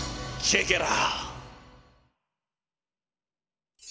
チェケラ。